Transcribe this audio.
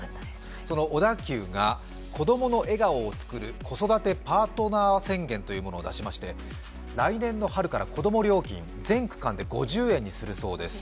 その小田急が「こどもの笑顔をつくる子育てパートナー」というものを出しまして来年の春から子供料金、全区間で５０円にするそうです。